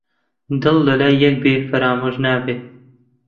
دڵ لە لای یەک بێ فەرامۆش نابێ